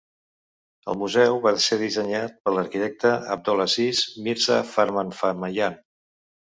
El museu va ser dissenyat per l'arquitecte Abdol-Aziz Mirza Farmanfarmaian.